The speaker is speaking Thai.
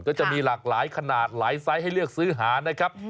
ก็จะมีหลากหลายขนาดหลายไซส์ให้เลือกซื้อหานะครับ